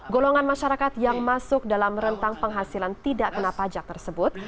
golongan masyarakat yang masuk dalam rentang penghasilan tidak kena pajak tersebut